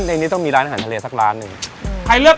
ให้คุณกรอบเลือกก่อนก่อน